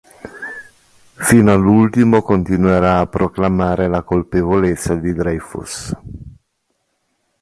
Fino all'ultimo continuerà a proclamare la colpevolezza di Dreyfus.